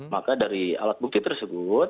maka dari alat bukti tersebut